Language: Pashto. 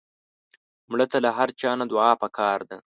مړه ته له هر چا نه دعا پکار ده